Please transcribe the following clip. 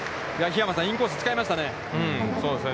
桧山さん、インコース使いましたね。